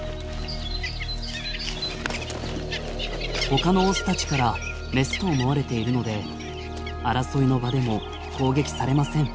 ほかのオスたちからメスと思われているので争いの場でも攻撃されません。